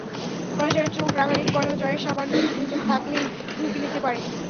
পরাজয়ের চোখ রাঙানির পরও জয়ের সামান্য সুযোগ থাকলেই ঝুঁকি নিতে পারে।